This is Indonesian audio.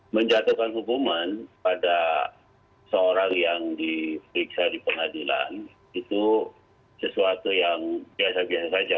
menjatuhkan hukuman pada seorang yang diperiksa di pengadilan itu sesuatu yang biasa biasa saja